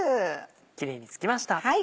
キレイに付きました。